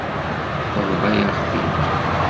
Tebḍa-yaɣ-t-id.